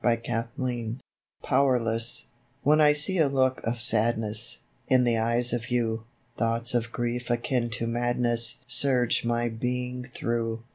[77 DAY DREAMS POWERLESS When I see a look of sadness, In the eyes of You, Thoughts of grief akin to madness Surge my being through.